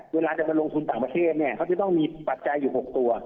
เวลาจะมาลงทุนต่างประเทศเนี่ยเขาจะต้องมีปัจจัยอยู่๖ตัว